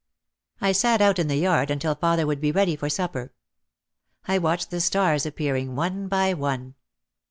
I sat out in the yard until father would be ready for supper. I watched the stars appearing one by one.